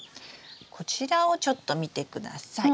こちらをちょっと見てください。